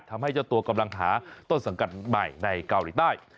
ทำให้เจ้าตัวกำลังหาต้นสังกัดใหม่ในเกาหลีใต้